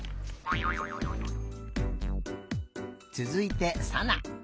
つづいてさな。